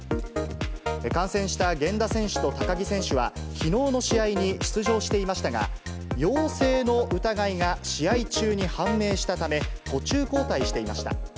感染した源田選手と高木選手はきのうの試合に出場していましたが、陽性の疑いが試合中に判明したため、途中交代していました。